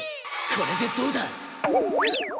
これでどうだ？